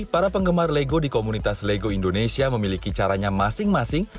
para penggemar lego di komunitas lego indonesia memiliki caranya masing masing